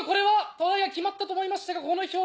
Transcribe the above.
トライが決まったと思いましたがこの表情。